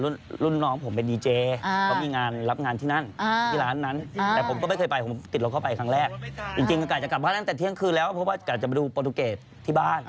นึ่งเช้าของวันที่๒๘อยู่ที่แถวเพชรบุรีครับแถวเพชรบุรี